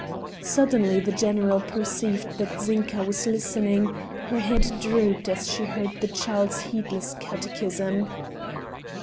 Suddenly the general perceived that Zinka was listening; her head drooped as she heard the child's heedless catechism.